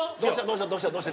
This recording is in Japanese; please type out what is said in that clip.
どうした？